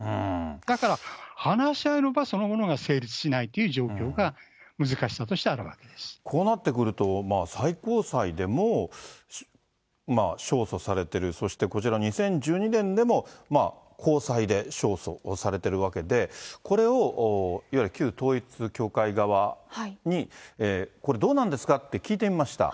だから話し合いの場そのものが成立しないという状況が、難しさとこうなってくると、最高裁でもまあ、勝訴されてる、そしてこちら２０１２年でも高裁で勝訴されてるわけで、これをいわゆる旧統一教会側に、これ、どうなんですかって聞いてみました。